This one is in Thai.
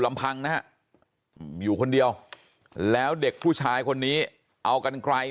ลำพังนะฮะอยู่คนเดียวแล้วเด็กผู้ชายคนนี้เอากันไกล